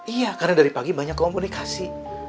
iya karena dari pagi banyak komunikasi